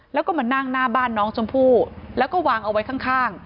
แล้วก็มานั่งหน้าบ้านน้องชมพู่แล้วก็วางเอาไว้ข้าง